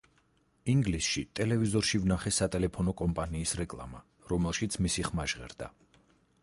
ინგლისში ტელევიზორში ვნახე სატელეფონო კომპანიის რეკლამა, რომელშიც მისი ხმა ჟღერდა.